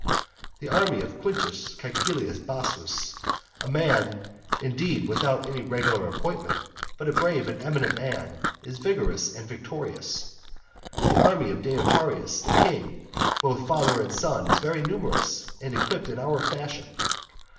The army of Quintus Caecilius Bassus, a man indeed without any regular appointment, but a brave and eminent man, is vigorous and victorious. The army of Deiotarus the king, both father and son, is very numerous, and equipped in our fashion.